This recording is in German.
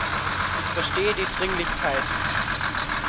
Ich verstehe die Dringlichkeit.